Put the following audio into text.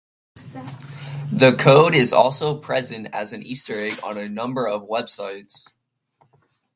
The code is also present as an Easter egg on a number of websites.